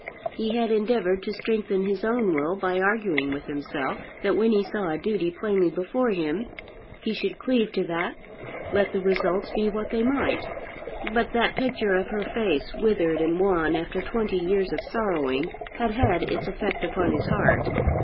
He had endeavoured to strengthen his own will by arguing with himself that when he saw a duty plainly before him, he should cleave to that let the results be what they might. But that picture of her face withered and wan after twenty years of sorrowing had had its effect upon his heart.